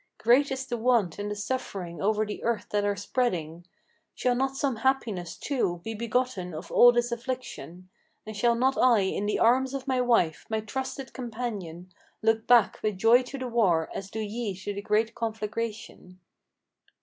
Great is the want and the suffering over the earth that are spreading: Shall not some happiness, too, be begotten of all this affliction, And shall not I in the arms of my wife, my trusted companion, Look back with joy to the war, as do ye to the great conflagration?"